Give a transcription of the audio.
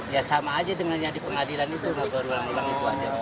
ya sama aja dengan yang di pengadilan itu nggak berulang ulang itu aja